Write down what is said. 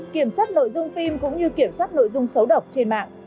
kiểm soát nội dung phim cũng như kiểm soát nội dung xấu độc trên mạng